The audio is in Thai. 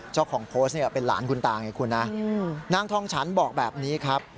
เจ้าของโพสต์เนี่ยเป็นหลานคุณตาไงคุณนะนางทองฉันบอกแบบนี้ครับ